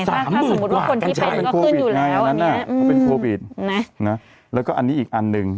สามหมื่นกว่ากันใช่โควิดไงอันนั้นนะมันเป็นโควิดนะแล้วก็อันนี้อีกอันหนึ่ง